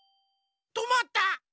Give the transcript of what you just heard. とまった。